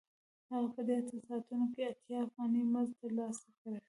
هغه په دې اته ساعتونو کې اتیا افغانۍ مزد ترلاسه کوي